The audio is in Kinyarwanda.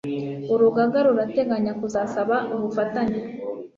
urugaga rurateganya kuzasaba ubufatanye